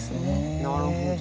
なるほど。